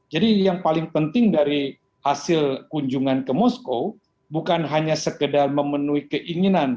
jadi yang paling penting dari hasil kunjungan ke moskow bukan hanya sekedar memenuhi keinginan